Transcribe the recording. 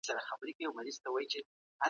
ایا واړه پلورونکي کاغذي بادام ساتي؟